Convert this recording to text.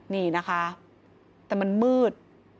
นี่นะคะแต่มันมืด